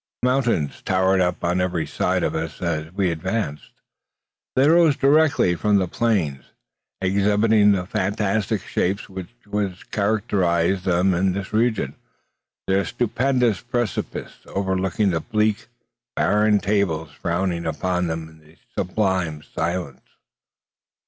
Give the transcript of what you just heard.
Mountains towered up on every side of us as we advanced. They rose directly from the plains, exhibiting the fantastic shapes which characterise them in those regions. Their stupendous precipices overlooked the bleak, barren tables frowning upon them in sublime silence.